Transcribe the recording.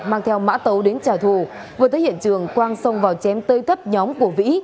mang theo mã tàu đến trả thù vừa tới hiện trường quang xông vào chém tơi thấp nhóm của vĩ